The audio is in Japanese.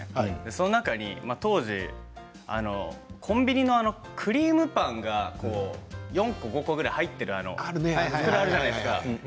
その中に、当時コンビニのクリームパンが４個、５個ぐらい入っている袋あるじゃないですか。